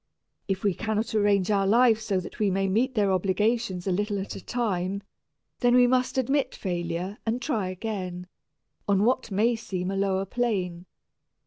If we cannot arrange our lives so that we may meet their obligations a little at a time, then we must admit failure and try again, on what may seem a lower plane.